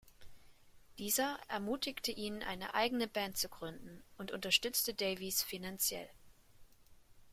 Dieser ermutigte ihn, eine eigene Band zu gründen, und unterstützte Davies finanziell.